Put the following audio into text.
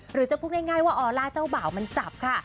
หรือจะพูดง่ายว่าออลล่าเจ้าบ่าวมันจับค่ะ